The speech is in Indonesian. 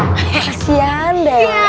kasian deh lo